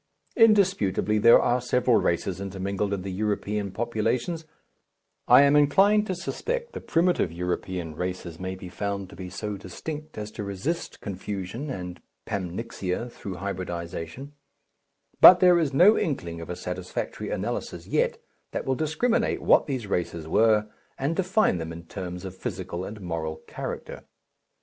Indisputably there are several races intermingled in the European populations I am inclined to suspect the primitive European races may be found to be so distinct as to resist confusion and pamnyxia through hybridization but there is no inkling of a satisfactory analysis yet that will discriminate what these races were and define them in terms of physical and moral character.